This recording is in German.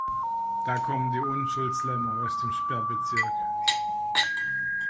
Da kommen die Unschuldslämmer aus dem Sperrbezirk.